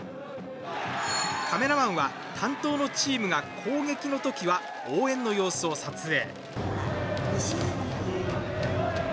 カメラマンは担当のチームが攻撃の時は応援の様子を撮影。